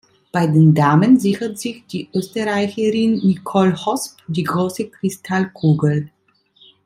Bei den Damen sichert sich die Österreicherin Nicole Hosp die "Große Kristallkugel".